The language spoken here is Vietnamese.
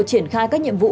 triển khai các nhiệm vụ